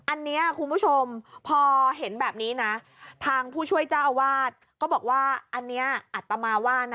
อันนี้คุณผู้ชมพอเห็นแบบนี้นะทางผู้ชมพอเห็นแบบนี้นะทางผู้ชมพอเห็นแบบนี้นะ